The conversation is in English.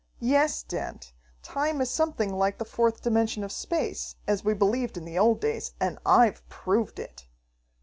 "Yes, Dent, time is something like the fourth dimension of space, as we believed in the old days, and I've proved it."